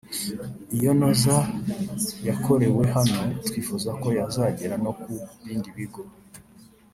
Iyi Noza yakorewe hano twifuza ko yazagera no ku bindi bigo